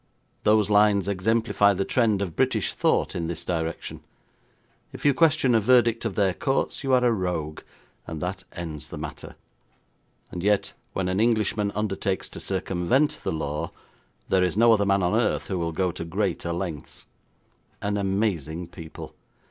Those lines exemplify the trend of British thought in this direction. If you question a verdict of their courts you are a rogue, and that ends the matter. And yet when an Englishman undertakes to circumvent the law, there is no other man on earth who will go to greater lengths. An amazing people!